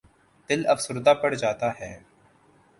دل افسردہ پڑ جاتا ہے۔